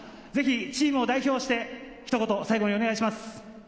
チームも代表して、ひと言お願いします。